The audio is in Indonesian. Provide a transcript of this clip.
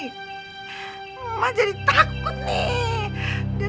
emang jadi takut nih